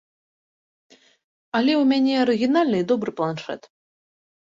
Але ў мяне арыгінальны і добры планшэт.